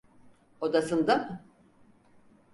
Odasında mı?